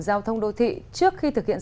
giao thông đô thị trước khi thực hiện